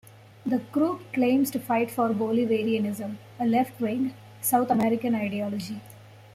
The group claims to fight for Bolivarianism, a left-wing, South American ideology.